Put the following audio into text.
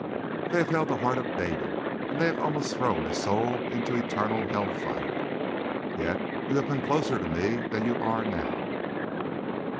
"They have held the heart of David, and they have almost thrown his soul into eternal hellfire. Yet you have been closer to me than you are now.